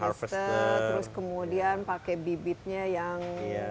ester terus kemudian pakai bibitnya yang